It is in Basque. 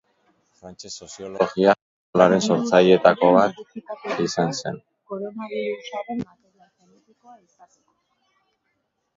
Frantses soziologia eskolaren sortzailetakoa izan zen.